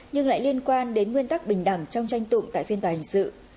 nhưng lại liên quan đến nguyên tắc bình đẳng trong tranh tụng tại phiên tòa hình sự